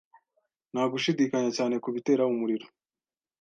Nta gushidikanya cyane kubitera umuriro.